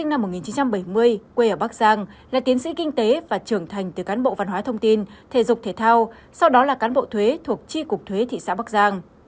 ông dương văn thái sinh năm một nghìn chín trăm bảy mươi quê ở bắc giang là tiến sĩ kinh tế và trưởng thành từ cán bộ văn hóa thông tin thể dục thể thao sau đó là cán bộ thuế thuộc chi cục thuế thị xã bắc giang